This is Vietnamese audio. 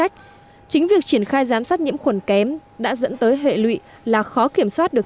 chính việc triển khai giám sát nhiễm khuẩn kém đã dẫn tới hệ lụy là khó kiểm soát được